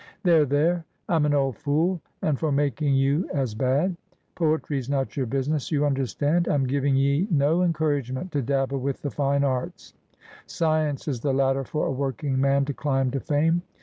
"There, there! I'm an old fool, and for making you as bad. Poetry's not your business, you understand: I'm giving ye no encouragement to dabble with the fine arts. Science is the ladder for a working man to climb to fame.